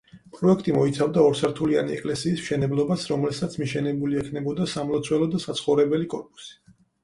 პროექტი მოიცავდა ორსართულიანი ეკლესიის მშენებლობას, რომელსაც მიშენებული ექნებოდა სამლოცველო და საცხოვრებელი კორპუსი.